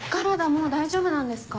もう大丈夫なんですか？